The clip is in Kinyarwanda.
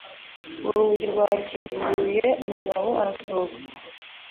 Urugi rwakinguye umugabo arasohoka.